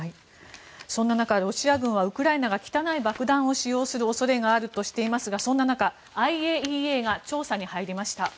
そんな中、ロシアはウイルス軍が汚い爆弾を使用する恐れがあるとしていますがそんな中、ＩＡＥＡが調査に入りました。